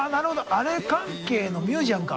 あれ関係のミュージアムか。